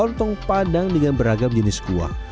lontong padang dengan beragam jenis kuah